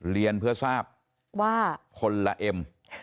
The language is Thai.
เรียนเพื่อทราบว่าคนละเอ็ม